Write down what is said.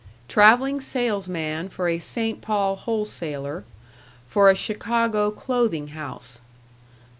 Traveling salesman for a St. Paul wholesaler, for a Chicago clothing house.